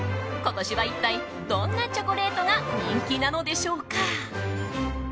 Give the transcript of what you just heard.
今年は一体どんなチョコレートが人気なのでしょうか。